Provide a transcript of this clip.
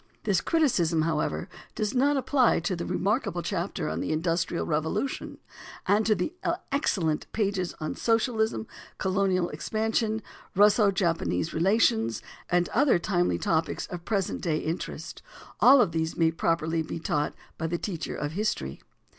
This criticism, however, does not apply to the remarkable chapter on the Industrial Revolution and to the excellent pages on socialism, colonial expansion, Russo Japanese relations and other timely topics of present day interest; all of these may properly be taught by the teacher of history.